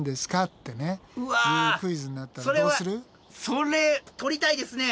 それ取りたいですね。